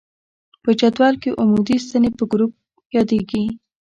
په جدول کې عمودي ستنې په ګروپ یادیږي.